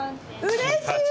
うれしい！